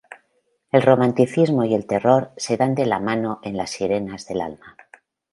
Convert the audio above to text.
El romanticismo y el terror se dan la mano en Las sirenas del alma.